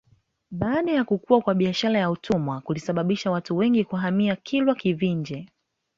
Baada ya kukua kwa biashara ya utumwa kulisababisha watu wengi kuhamia Kilwa Kivinje